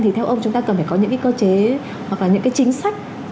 thì theo ông chúng ta cần phải có những cái cơ chế hoặc là những cái chính sách